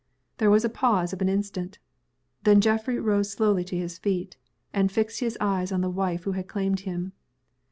There was a pause of an instant. Then Geoffrey rose slowly to his feet, and fixed his eyes on the wife who had claimed him.